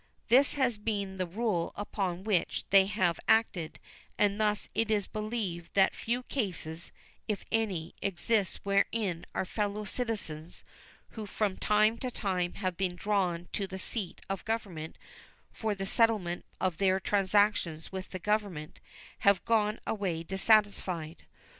This has been the rule upon which they have acted, and thus it is believed that few cases, if any, exist wherein our fellow citizens, who from time to time have been drawn to the seat of Government for the settlement of their transactions with the Government, have gone away dissatisfied.